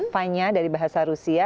fania dari bahasa rusia